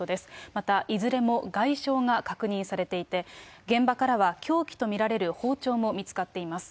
また、いずれも外傷が確認されていて、現場からは凶器と見られる包丁も見つかっています。